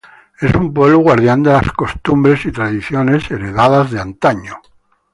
Es un pueblo guardián de las costumbre y tradiciones heredadas de antaño.